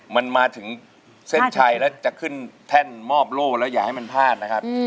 มันมาถึงเส้นชัยแล้วจะขึ้นแท่นมอบโล่แล้วอย่าให้มันพลาดนะครับ